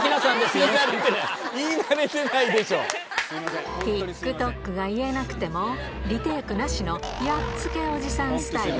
言い慣れてない、言い慣れてＴｉｋＴｏｋが言えなくても、リテークなしのやっつけおじさんスタイル。